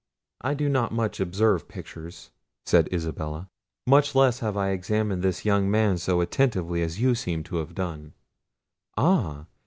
"I do not much observe pictures," said Isabella: "much less have I examined this young man so attentively as you seem to have done. Ah?